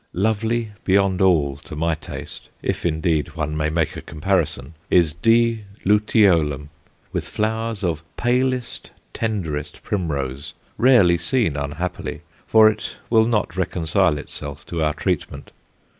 Lovely beyond all to my taste, if, indeed, one may make a comparison, is D. luteolum, with flowers of palest, tenderest primrose, rarely seen unhappily, for it will not reconcile itself to our treatment.